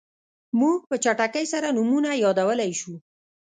موږ په چټکۍ سره نومونه یادولی شو.